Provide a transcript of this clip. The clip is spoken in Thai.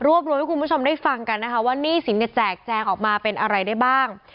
รวมรวมให้คุณผู้ชมได้ฟังกันนะคะว่าหนี้สินเนี่ยแจกแจงออกมาเป็นอะไรได้บ้าง